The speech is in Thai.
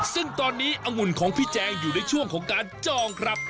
ซึ่งตอนนี้องุ่นของพี่แจงอยู่ในช่วงของการจองครับ